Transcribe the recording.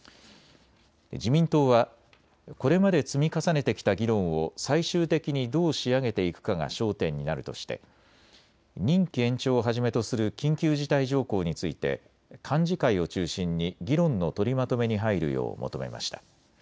自民党はこれまで積み重ねてきた議論を最終的にどう仕上げていくかが焦点になるとして任期延長をはじめとする緊急事態条項について幹事会を中心に議論の取りまとめに入るよう求めました。